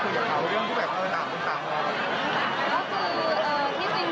คุณผู้สามารถได้คิดคุณผู้สามารถได้คิด